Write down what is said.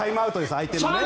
相手のね。